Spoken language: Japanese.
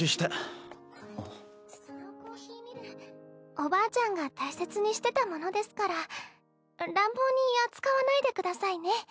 ・あのそのコーヒーミルおばあちゃんが大切にしてたものですから乱暴に扱わないでくださいね。